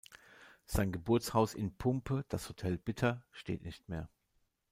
Sein Geburtshaus in Pumpe, das „Hotel Bitter“, steht nicht mehr.